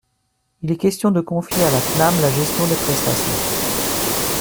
Il est question de confier à la CNAM la gestion des prestations.